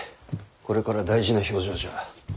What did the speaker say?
これから大事な評定じゃ。